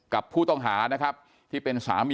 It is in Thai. กลุ่มตัวเชียงใหม่